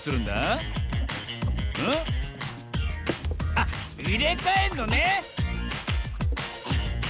あっいれかえんのね！